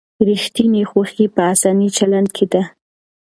ریښتینې خوښي په انساني چلند کې ده.